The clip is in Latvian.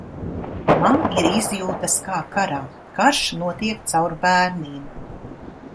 Man ir izjūtas kā karā. Karš notiek caur bērniem.